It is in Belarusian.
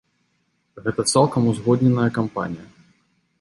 Гэта цалкам узгодненая кампанія.